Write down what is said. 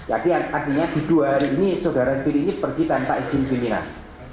artinya di dua hari ini saudara f pergi tanpa izin pimpinan